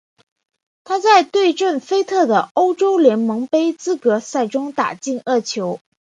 他在对阵连菲特的欧洲联盟杯资格赛中打进二球。